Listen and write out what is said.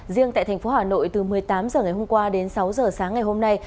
riêng tại thành phố hà nội từ một mươi tám h ngày hôm qua đến sáu giờ sáng ngày hôm nay